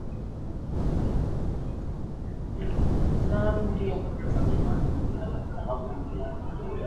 Naam, ndio